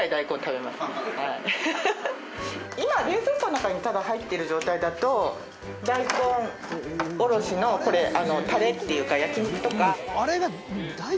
今冷蔵庫の中にただ入ってる状態だと大根おろしのこれタレっていうか焼き肉とか。